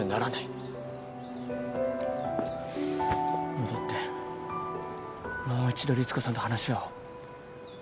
戻ってもう一度リツコさんと話し合おう。